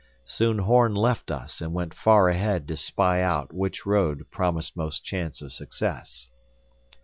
Soon Horn left us and went far ahead to spy out which road promised most chance of success.